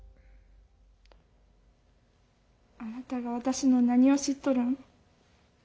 「あなたが私の何を知っとるん？」。